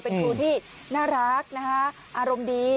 เป็นคุณที่น่ารักอารมณ์ดี